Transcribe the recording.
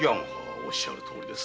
おっしゃるとおりです。